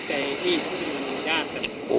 คนอื่นสกใจที่อยู่อย่างนั้นครับ